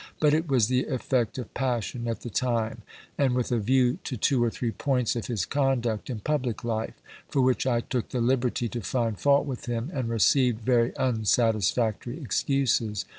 But it was the effect of passion at the time, and with a view to two or three points of his conduct in public life; for which I took the liberty to find fault with him, and received very unsatisfactory excuses.